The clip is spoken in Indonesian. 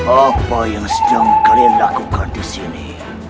apa yang sedang kalian lakukan disini